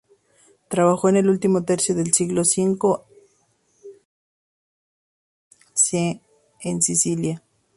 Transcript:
Trabajó en el último tercio del siglo V a. C. en Sicilia.